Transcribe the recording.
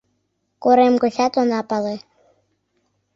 Корем гочат она пале.